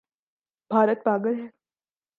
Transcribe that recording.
بھارت پاگل ہے؟